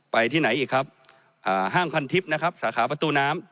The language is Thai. ไปที่ไหนอีกครับห้างพันทิพย์นะครับสาขาประตูน้ำ